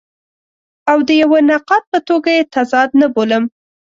او د یوه نقاد په توګه یې تضاد نه بولم.